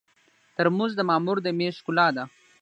ترموز د مامور د مېز ښکلا ده.